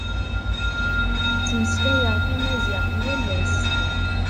Ttmeslayeɣ tamaziɣt yal ass.